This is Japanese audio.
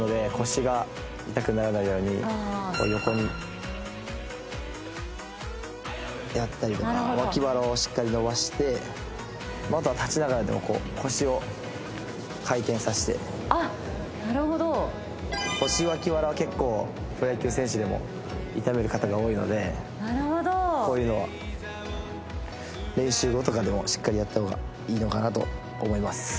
よくこう横にやったりとか脇腹をしっかり伸ばしてあとは立ちながらでもこう腰を回転させてあっなるほど腰脇腹は結構プロ野球選手でも痛める方が多いのでなるほどこういうのは練習後とかでもしっかりやった方がいいのかなと思います